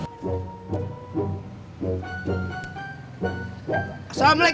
udah banyak bisnis saya sekarang